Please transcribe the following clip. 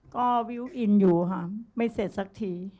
ก็วิวอินอยู่ค่ะไม่เสร็จสักที